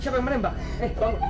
siapa yang menembak